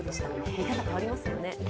見方、変わりますよね。